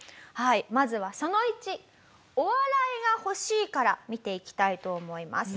まずはその１「お笑いが欲しい！」から見ていきたいと思います。